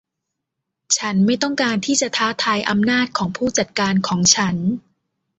ฉันไม่ต้องการที่จะท้าทายอำนาจของผู้จัดการของฉัน